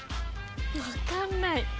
・分かんない。